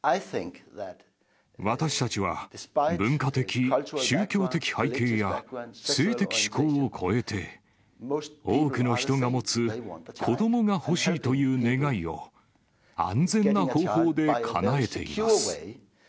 私たちは、文化的、宗教的背景や性的指向を超えて、多くの人が持つ子どもが欲しいという願いを、安全な方法でかなえ